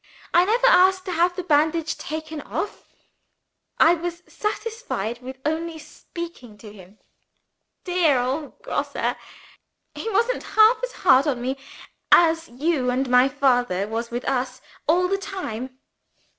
I never asked to have the bandage taken off; I was satisfied with only speaking to him. Dear old Grosse he isn't half as hard on me as you and my father was with us, all the time.